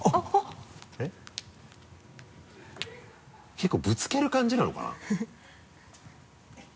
結構ぶつける感じなのかな？